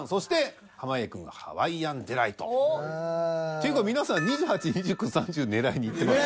ていうか皆さん２８２９３０狙いにいってますね。